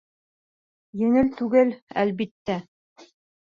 Еңел түгел, әлбиттә.